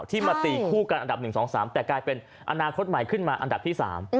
ที่มาตีคู่กันอันดับ๑๒๓แต่กลายเป็นอนาคตใหม่ขึ้นมาอันดับที่๓